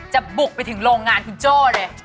บุกไปถึงโรงงานคุณโจ้เลย